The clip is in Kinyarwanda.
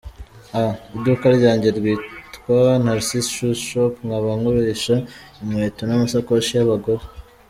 A: Iduka ryanjye ryitwa Narcisse shoes shop nkaba ngurisha Inkweto n’amasakoshi y’abagore.